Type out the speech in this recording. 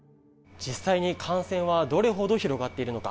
実際に感染はどれほど広がっているのか。